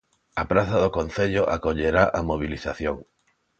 A praza do Concello acollerá a mobilización.